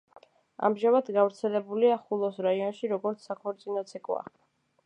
ამჟამად გავრცელებულია ხულოს რაიონში, როგორც საქორწინო ცეკვა.